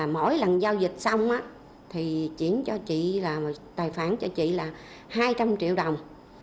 mỗi lần giao dịch xong tài phản cho chị là hai trăm linh triệu đồng